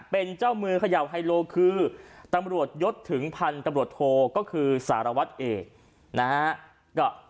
เป็นเจ้ามือเขย่าไฮโลคือตำรวจยศถึงพันธุ์ตำรวจโทก็คือสารวัตรเอกนะฮะ